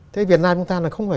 thế việt nam chúng ta